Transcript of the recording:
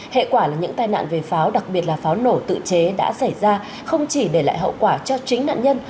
hệ quả là những tai nạn về pháo đặc biệt là pháo nổ tự chế đã xảy ra không chỉ để lại hậu quả cho chính nạn nhân